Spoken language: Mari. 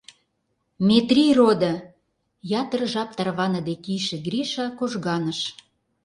— Метрий родо! — ятыр жап тарваныде кийыше Гриша кожганыш.